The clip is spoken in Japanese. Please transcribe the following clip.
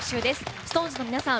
ＳｉｘＴＯＮＥＳの皆さん